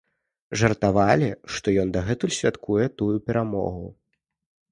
Жартавалі, што ён дагэтуль святкуе тую перамогу.